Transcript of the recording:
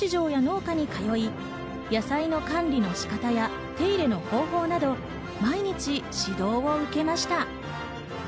そこで大田市場や農家に通い、野菜の管理の仕方や手入れの方法など毎日指導を受けました。